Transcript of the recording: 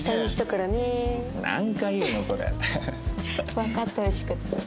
わかってほしくて。